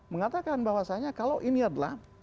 mengatakan bahwasannya kalau ini adalah